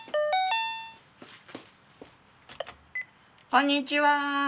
こんにちは。